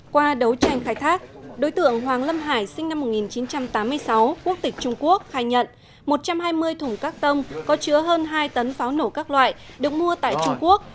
qua đấu tranh khai thác đối tượng hoàng lâm hải sinh năm một nghìn chín trăm tám mươi sáu quốc tịch trung quốc khai nhận một trăm hai mươi thùng các tông có chứa hơn hai tấn pháo nổ các loại được mua tại trung quốc